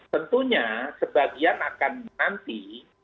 tentunya sebagian akan nanti